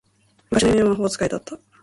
昔の夢は魔法使いだった